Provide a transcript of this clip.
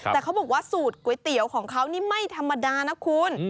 แต่เขาบอกว่าสูตรก๋วยเตี๋ยวของเขานี่ไม่ธรรมดานะคุณ